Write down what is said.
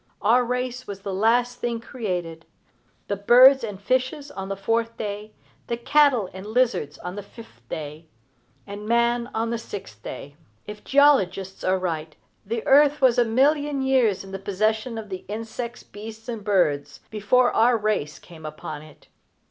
Our race was the last thing created, the birds and fishes on the fourth day, the cattle and lizards on the fifth day, and man on the sixth day. If geologists are right, the earth was a million of years in the possession of the insects, beasts, and birds, before our race came upon it.